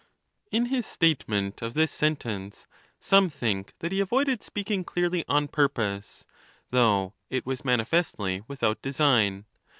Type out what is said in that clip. In his statement of this sentence, some think that he avoided speaking clearly on purpose, though it was manifestly without design.